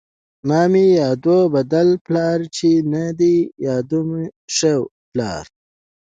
ـ مه مې يادوه بد پلار، چې نه دې يادوم ښه پلار.